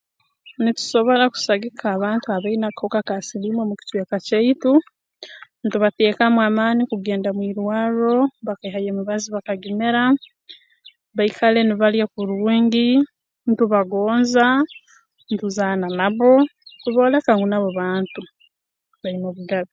Nitusobora kusagika abantu abaine akahuka ka siliimu omu kicweka kyaitu ntubateekamu amaani kugenda mu irwarro bakaihayo emibazi bakagimira baikale nibalya kurungi ntubagonza ntuzaana nabo ntubooleka ngu nabo bantu baine obugabe